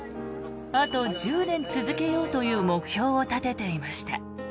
あと１０年続けようという目標を立てていました。